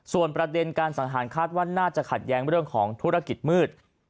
ส่วนประเด็นการสังหารคาดว่าน่าจะขัดแย้งเรื่องของธุรกิจมืด